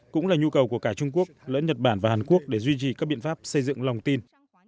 cũng là nhu cầu của cả trung quốc lẫn nhật bản và hàn quốc để duy trì các biện pháp xây dựng lòng tin